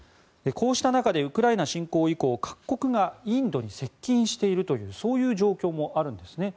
こうした中でウクライナ侵攻以降各国がインドに接近しているという状況もあるんです。